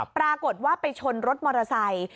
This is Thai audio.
ปรากฏว่าไปชนรถมอเตอร์ไซค์